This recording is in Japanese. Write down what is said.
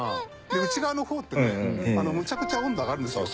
内側の方ってねむちゃくちゃ温度上がるんですよ。